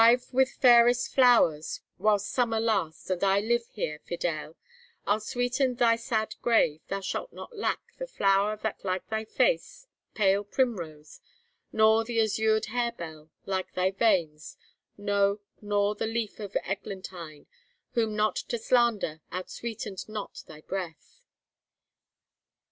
_ With fairest flowers, Whilst summer lasts, and I live here, Fidele, I'll sweeten thy sad grave: Thou shalt not lack The flower, that's like thy face, pale primrose; nor The azur'd harebell, like thy veins; no, nor The leaf of eglantine, whom not to slander, Outsweeten'd not thy breath.